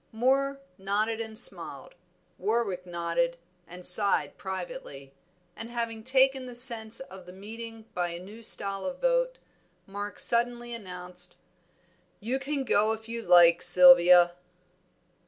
Moor nodded and smiled, Warwick nodded, and sighed privately, and having taken the sense of the meeting by a new style of vote, Mark suddenly announced "You can go if you like, Sylvia."